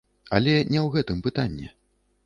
Але не ў гэтым пытанне.